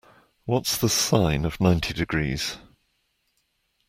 What's the sine of ninety degrees?